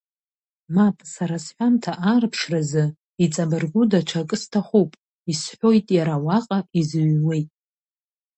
Мап, сара сҳәамҭа аарԥшразы, иҵабыргу даҽа акы сҭахуп, исҳәоит иара уаҟа изыҩҩуеит.